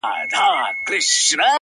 داسي ژوند هم راځي تر ټولو عزتمن به يې ـ